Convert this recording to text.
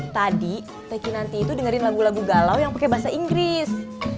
tadi tki nanti itu dengerin lagu lagu galau yang pakai bahasa inggris